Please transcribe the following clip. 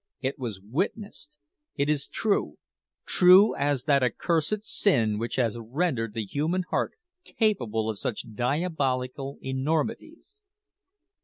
It was witnessed. It is true true as that accursed sin which has rendered the human heart capable of such diabolical enormities!